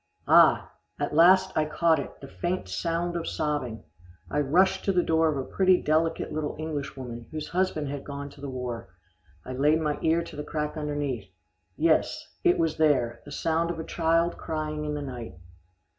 Ah! at last I caught it, the faint sound of sobbing. I rushed to the door of a pretty delicate little English woman whose husband had gone to the war. I laid my ear to the crack underneath yes, it was there, the sound of a child crying in the night.